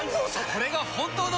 これが本当の。